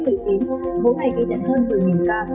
mỗi ngày ghi nhận hơn một mươi ca